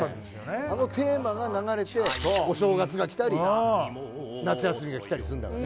あのテーマが流れてお正月が来たり夏休みが来たりすんだから。